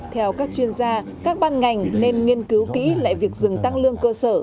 theo các chuyên gia các ban ngành nên nghiên cứu kỹ lại việc dừng tăng lương cơ sở